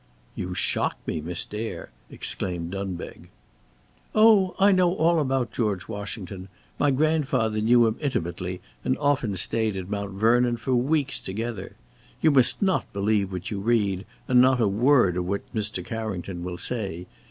"You shock me, Miss Dare!" exclaimed Dunbeg. "Oh! I know all about General Washington. My grandfather knew him intimately, and often stayed at Mount Vernon for weeks together. You must not believe what you read, and not a word of what Mr. Carrington will say.